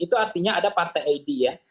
itu artinya ada partai id ya